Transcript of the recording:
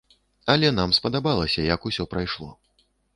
Але нам спадабалася, як усё прайшло.